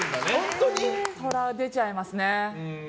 トラ、出ちゃいますね。